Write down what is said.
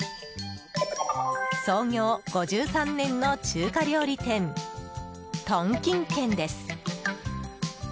創業５３年の中華料理店東京軒です。